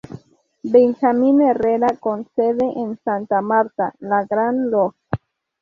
Benjamín Herrera con sede en Santa Marta, la Gran Log.·.